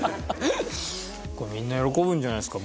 みんな喜ぶんじゃないですか？